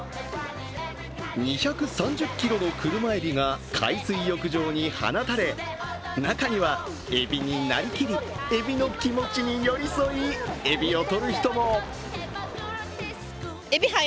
２３０ｋｇの車えびが海水浴場に放たれ中には、えびになりきり、えびの気持ちに寄り添い、えびをとる人も。